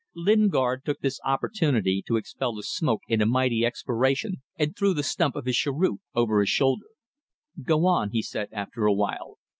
Lingard took this opportunity to expel the smoke in a mighty expiration and threw the stump of his cheroot over his shoulder. "Go on," he said, after a while.